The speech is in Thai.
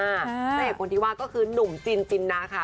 แต่คนที่ว่าก็คือหนุ่มจินจินนะค่ะ